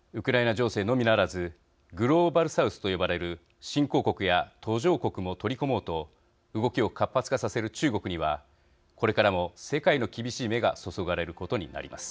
情勢のみならずグローバル・サウスと呼ばれる新興国や途上国も取り込もうと動きを活発化させる中国にはこれからも世界の厳しい目が注がれることになります。